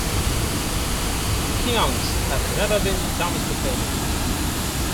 Kiangs have never been domesticated.